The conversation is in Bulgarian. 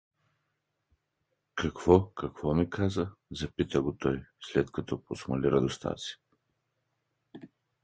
— Какво… какво ми каза? — запита го той, след като посмали радостта си.